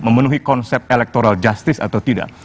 memenuhi konsep electoral justice atau tidak